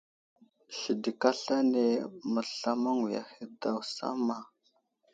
Sidik aslane məslamaŋwiya ahe daw samma.